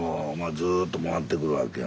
ずと回ってくるわけや。